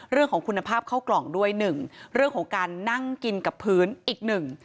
เรื่องของคุณภาพเข้ากล่องด้วยหนึ่งเรื่องของการนั่งกินกับพื้นอีกหนึ่ง